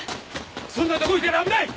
そんなとこにいたら危ない！